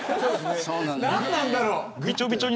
何なんだろ。